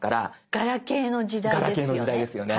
ガラケーの時代ですよね。